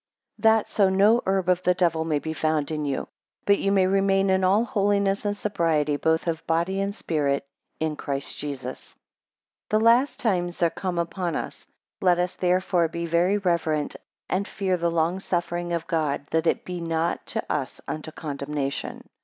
4 That so no herb of the devil may be found in you: but ye may remain in all holiness and sobriety both of body and spirit, in Christ Jesus. 5 The last times are come upon us: let us therefore be very reverent, and fear the long suffering of God, that it be not to us unto condemnation.